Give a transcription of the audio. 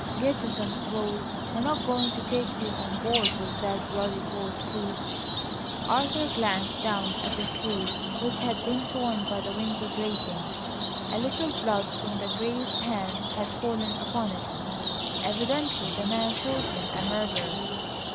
"Get you some clothes. I'm not going to take you on board with that bloody coatsleeve." Arthur glanced down at the sleeve which had been torn by the window grating. A little blood from the grazed hand had fallen upon it. Evidently the man thought him a murderer.